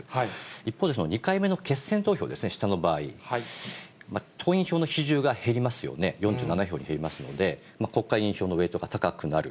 一方で、２回目の決選投票ですね、下の場合、党員票の比重が減りますよね、４７票に減りますので、国会議員票のウエートが高くなる。